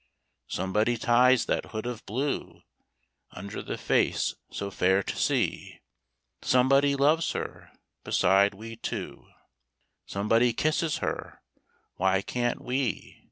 Somebody ties that hood of blue Under the face so fair to see, Somebody loves her, beside we two, Somebody kisses her why can't we?